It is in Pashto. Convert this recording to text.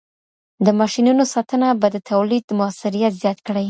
د ماشینونو ساتنه به د تولید موثریت زیات کړي.